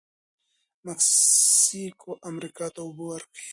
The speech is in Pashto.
مکسیکو امریکا ته اوبه ورکوي.